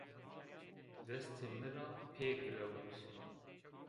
Destê mi ra pê girewt